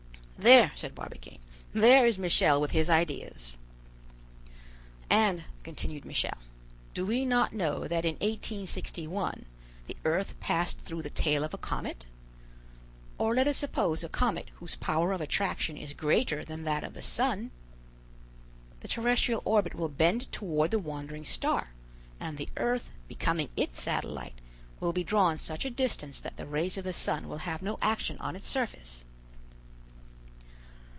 "There!" said Barbicane, "there is Michel with his ideas." "And," continued Michel, "do we not know that in 1861 the earth passed through the tail of a comet? Or let us suppose a comet whose power of attraction is greater than that of the sun. The terrestrial orbit will bend toward the wandering star, and the earth, becoming its satellite, will be drawn such a distance that the rays of the sun will have no action on its surface."